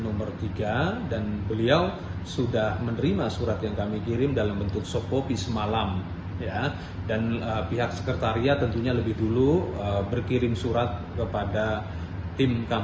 tentunya ini juga sebenarnya kami tidak inginkan karena memang sejak kemarin sore kami sudah sampaikan tanggal dua puluh empat